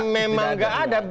memang nggak ada